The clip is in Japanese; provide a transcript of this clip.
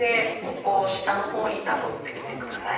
ここを下の方になぞってみて下さい。